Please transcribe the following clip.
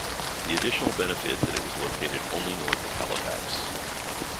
The additional benefit that it was located only north of Halifax.